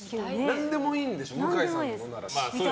何でもいいんでしょ向井さんのものなら。